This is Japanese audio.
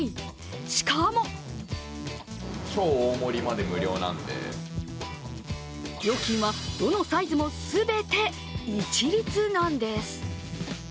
しかも料金はどのサイズも全て一律なんです。